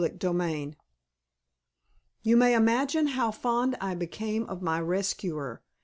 CHAPTER V You may imagine how fond I became of my rescuer.